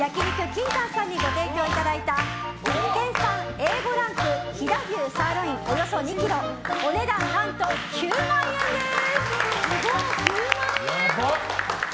ＫＩＮＴＡＮさんにご提供いただいた岐阜県産Ａ５ランク飛騨牛サーロインおよそ２ｋｇお値段何と９万円です。